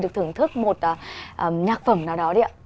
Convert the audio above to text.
được thưởng thức một nhạc phẩm nào đó đi ạ